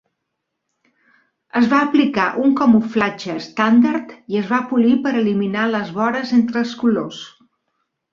Es va aplicar un camuflatge estàndard i es va polir per eliminar les vores entre els colors.